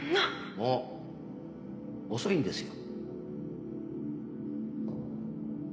もう遅いんですよ。